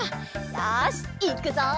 よしいくぞ！